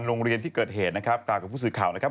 โรงเรียนที่เกิดเหตุนะครับกล่าวกับผู้สื่อข่าวนะครับ